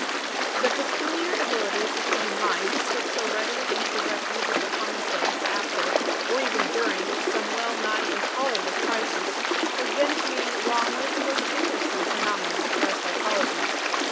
The peculiar ability of the human mind to slip so readily into the refuge of the commonplace after, or even during, some well nigh intolerable crisis, has been to me long one of the most interesting phenomena of our psychology.